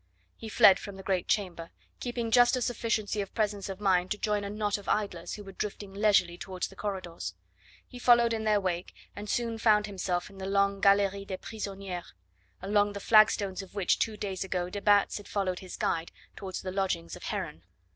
He fled from the great chamber, keeping just a sufficiency of presence of mind to join a knot of idlers who were drifting leisurely towards the corridors. He followed in their wake and soon found himself in the long Galerie des Prisonniers, along the flagstones of which two days ago de Batz had followed his guide towards the lodgings of Heron.